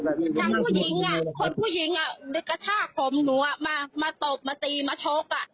ทั้งผู้หญิงคนผู้หญิงในกระชากของหนูมาตบมาตีมาโชค